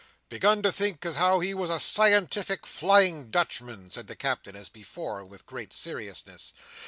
"Began to think as how he was a scientific Flying Dutchman!" said the Captain, as before, and with great seriousness.